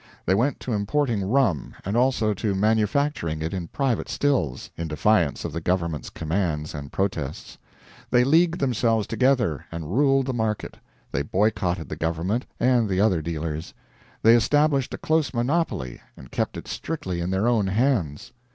They went to importing rum, and also to manufacturing it in private stills, in defiance of the government's commands and protests. They leagued themselves together and ruled the market; they boycotted the government and the other dealers; they established a close monopoly and kept it strictly in their own hands.